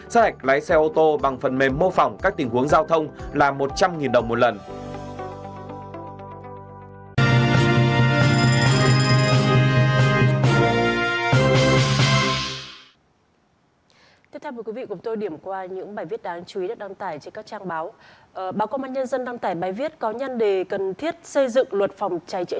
sát hạch lái xe ô tô bằng phần mềm mô phỏng các tình huống giao thông là một trăm linh đồng một lần